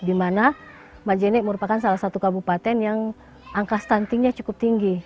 di mana majene merupakan salah satu kabupaten yang angka stuntingnya cukup tinggi